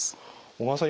小川さん